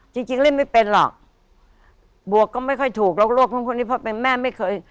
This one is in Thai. จริงเล่นไม่เป็นหรอกบวกก็ไม่ค่อยถูกเรารวงคนนี้ผ่อนบนแม่ไม่เคย